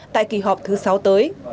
tại kỳ họp thứ sáu tới